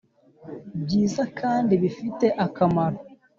byiza kandi bifite akamaro